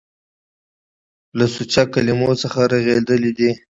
له سوچه کلمو څخه رغېدلي دي.